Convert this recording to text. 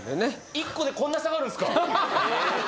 １個でこんな下がるんすか？